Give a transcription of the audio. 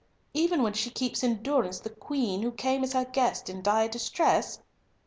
"Even when she keeps in durance the Queen, who came as her guest in dire distress?"